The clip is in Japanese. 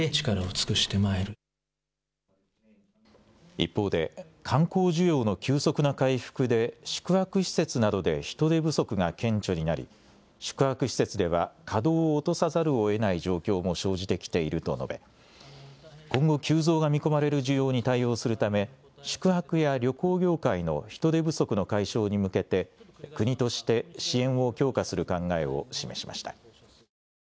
一方で観光需要の急速な回復で宿泊施設などで人手不足が顕著になり宿泊施設では稼働を落とさざるをえない状況も生じてきていると述べ今後、急増が見込まれる需要に対応するため宿泊や旅行業界の人手不足の解消に向けて国として支援を強化する考えを示しました。